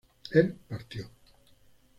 él partió